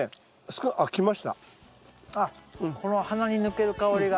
あっこの鼻に抜ける香りが。